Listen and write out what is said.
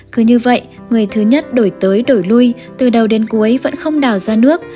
cứ như vậy người thứ nhất đổi tới đổi lui từ đầu đến cuối vẫn không đào ra nước